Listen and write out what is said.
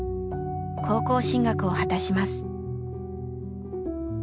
高校進学を果たします。